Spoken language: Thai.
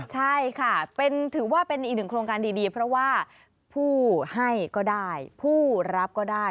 ใช่ค่ะถือว่าเป็นอีกหนึ่งโครงการดีเพราะว่าผู้ให้ก็ได้ผู้รับก็ได้